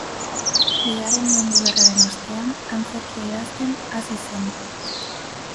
Bigarren Mundu Gerraren ostean, antzerkia idazten hasi zen.